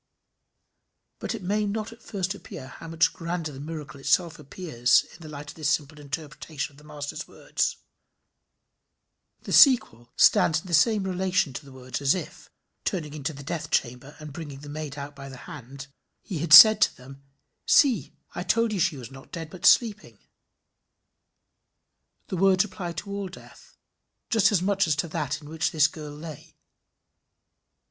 But it may not at first appear how much grander the miracle itself appears in the light of this simple interpretation of the Master's words. The sequel stands in the same relation to the words as if turning into the death chamber, and bringing the maid out by the hand he had said to them: "See I told you she was not dead but sleeping." The words apply to all death, just as much as to that in which this girl lay.